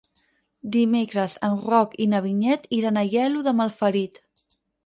Dimecres en Roc i na Vinyet iran a Aielo de Malferit.